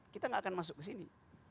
kita nggak akan masuk ke sini